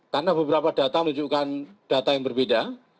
karena beberapa data menunjukkan data yang berbeda